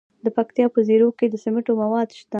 د پکتیکا په زیروک کې د سمنټو مواد شته.